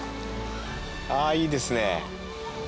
あぁいいですね。